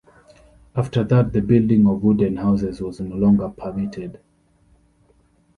After that the building of wooden houses was no longer permitted.